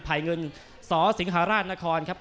ภัยเงินสอสิงหาราชนครับ